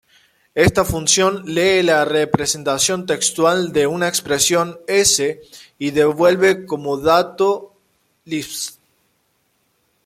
Esta función lee la representación textual de una expresión-S y devuelve como dato Lisp.